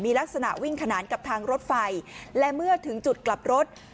มีลักษณะวิ่งขนานกับทางรถไฟและเมื่อถึงจุดกลับรถ